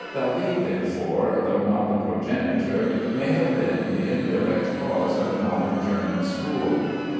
David, therefore, though not the progenitor, may have been the indirect cause of the modern German school.